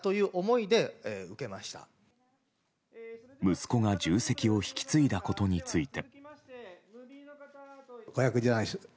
息子が重責を引き継いだことについて。